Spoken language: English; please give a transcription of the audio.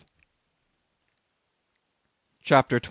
CHAPTER 22.